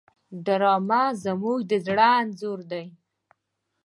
ډرامه زموږ د زړه انځور دی